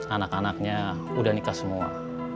anak anaknya udah nikah semua